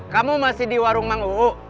kamu masih di warung mang uu